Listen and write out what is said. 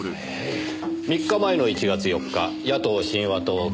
３日前の１月４日野党真和党岸